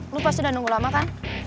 lu pasti udah nunggu lama kan